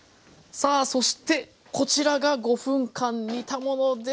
さあそしてこちらが５分間煮たものです！